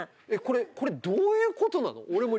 これどういう事なの？